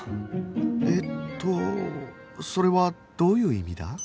えっとそれはどういう意味だ？